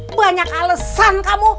banyak alesan kamu